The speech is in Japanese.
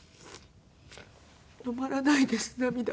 止まらないです涙が。